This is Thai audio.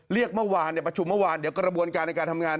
เรียกเมื่อวานประชุมเมื่อวานเดี๋ยวกระบวนการในการทำงาน